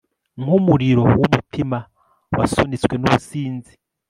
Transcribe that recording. nkumuriro wumutima wasunitswe nubusinzi